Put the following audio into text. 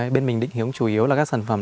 bên mình định hướng chủ yếu là các sản phẩm